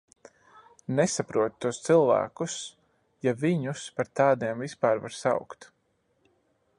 Nesaprotu tos cilvēkus, ja viņus par tādiem vispār var saukt.